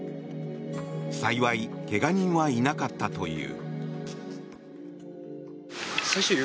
幸い怪我人はいなかったという。